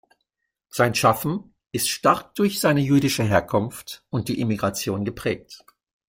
Sein Schaffen ist stark durch seine jüdische Herkunft und die Emigration geprägt.